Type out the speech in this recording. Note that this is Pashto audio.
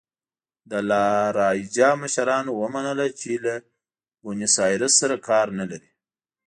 د لا رایجا مشرانو ومنله چې له بونیسایرس سره کار نه لري.